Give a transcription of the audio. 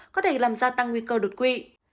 có thể làm ra tăng nguy cơ đột quỵ